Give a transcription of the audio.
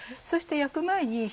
そして焼く前に。